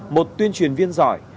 một tuyên truyền viên giỏi